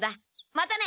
またね！